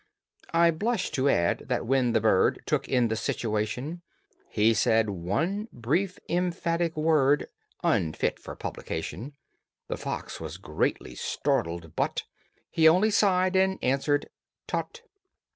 I blush to add that when the bird Took in the situation He said one brief, emphatic word, Unfit for publication. The fox was greatly startled, but He only sighed and answered "Tut."